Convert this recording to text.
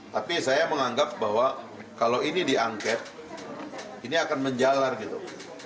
tapi saya menganggap bahwa kalau ini diangket ini akan menjalar gitu